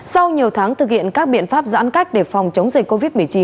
sau nhiều tháng thực hiện các biện pháp giãn cách để phòng chống dịch covid một mươi chín